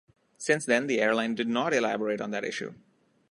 Since then, the airline did not elaborate on that issue.